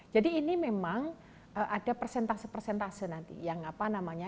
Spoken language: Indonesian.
ini memang ada persentase persentase nanti yang apa namanya